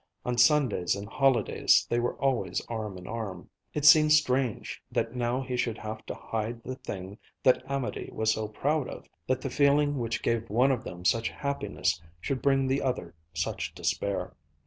On Sundays and holidays they were always arm in arm. It seemed strange that now he should have to hide the thing that Amédée was so proud of, that the feeling which gave one of them such happiness should bring the other such despair.